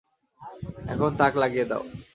এখন তাক লাগিয়ে দাও।